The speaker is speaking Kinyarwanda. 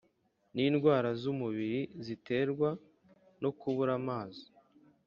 nindwara zumubiri ziterwa nokubura amazi